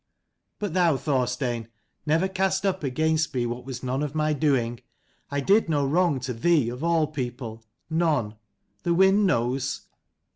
But thou, Thorstein, never cast up against me what was none of my doing. I did no wrong to thee, of all people. None. The wind knows.